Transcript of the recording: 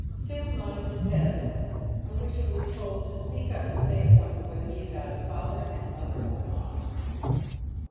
Phil nodded his head, on which he was told " to speak up, and say at once whether he had got a father and mother, or not."